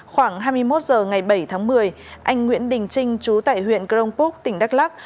khoảng hai mươi một h ngày bảy tháng một mươi anh nguyễn đình trinh chú tại huyện crong púc tỉnh đắk lắc